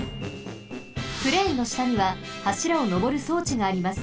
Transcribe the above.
クレーンのしたにははしらをのぼるそうちがあります。